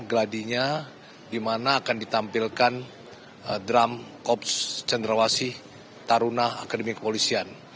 gladinya dimana akan ditampilkan drum kops cendrawasih taruna akademik kepolisian